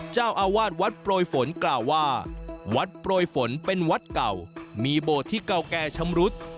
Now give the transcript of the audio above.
เจ้าอาวาสวัดโปรยฝนกล่าวว่าวัดโปรยฝนเป็นวัดเก่ามีโบสถ์ที่เก่าแก่ชำรุด